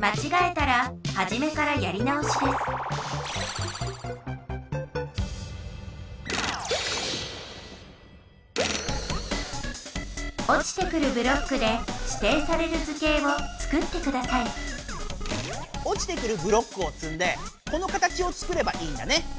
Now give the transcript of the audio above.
まちがえたらはじめからやりなおしですおちてくるブロックでしていされる図形をつくってくださいおちてくるブロックをつんでこの形をつくればいいんだね。